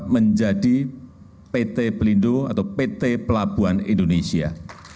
menjadi pt pelindo atau pt pelabuhan indonesia